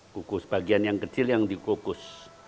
kukus bagian yang kecil yang dikukus